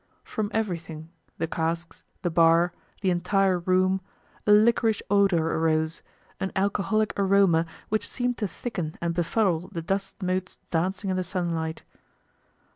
From everything, the casks, the bar, the entire room, a liquorish odor arose, an alcoholic aroma which seemed to thicken and befuddle the dust motes dancing in the sunlight.